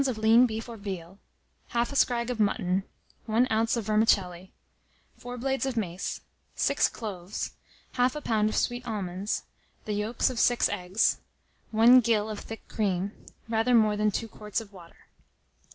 of lean beef or veal, 1/2 a scrag of mutton, 1 oz. of vermicelli, 4 blades of mace, 6 cloves, 1/2 lb. of sweet almonds, the yolks of 6 eggs, 1 gill of thick cream, rather more than 2 quarts of water.